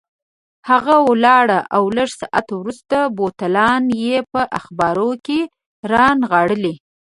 هغه ولاړ او لږ ساعت وروسته بوتلان یې په اخبارو کې رانغاړلي.